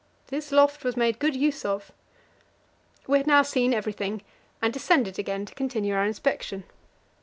This loft was made good use of. We had now seen everything, and descended again to continue our inspection.